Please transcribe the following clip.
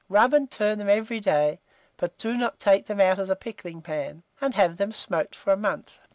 Rub and turn them every day, but do not take them out of the pickling pan; and have them smoked for a month.